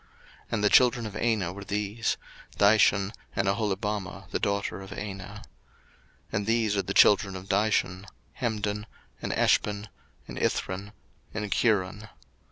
01:036:025 And the children of Anah were these; Dishon, and Aholibamah the daughter of Anah. 01:036:026 And these are the children of Dishon; Hemdan, and Eshban, and Ithran, and Cheran.